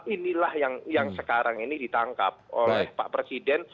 inilah yang sekarang ini ditangkap oleh pak presiden